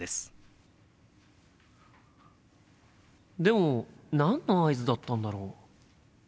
心の声でも何の合図だったんだろう？